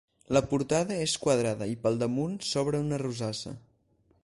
La portada és quadrada i pel damunt s'obre una rosassa.